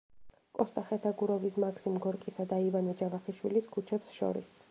კოსტა ხეთაგუროვის, მაქსიმ გორკისა და ივანე ჯავახიშვილის ქუჩებს შორის.